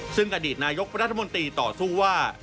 ซึ่งอดีตนายกรัฐมนตรีต่อสู้ว่า